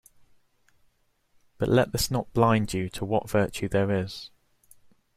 But let this not blind you to what virtue there is